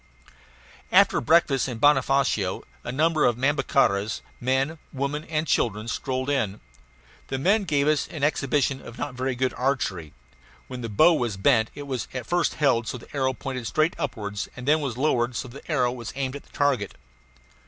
After breakfast at Bonofacio a number of Nhambiquaras men, women, and children strolled in. The men gave us an exhibition of not very good archery; when the bow was bent, it was at first held so that the arrow pointed straight upwards and was then lowered so that the arrow was aimed at the target.